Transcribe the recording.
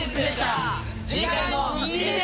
次回も見てね！